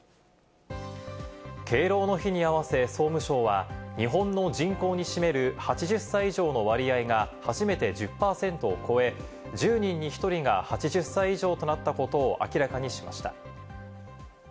敬老の日に合わせ総務省は、日本の人口に占める８０歳以上の割合が初めて１０％を超え、１０人に１人が８０歳以上となったことを明らかにしました。